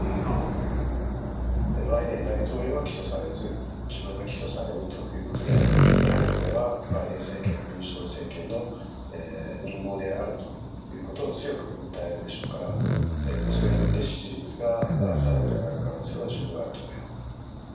バイデン大統領は起訴されず、自分は起訴されるということで、やはりこれはバイデン政権、民主党政権の陰謀であるということを強く訴えるでしょうから、それによって支持率がさらに上がる可能性は十分あると思います。